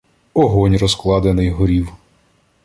Огонь розкладений горів.